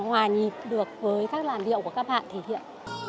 hòa nhịp được với các làn điệu của các bạn thể hiện